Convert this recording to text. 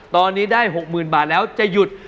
ตอนนี้ได้๖๐๐๐บาทแล้วจะหยุด